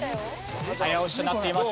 早押しとなっています。